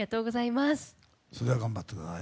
それでは頑張ってください。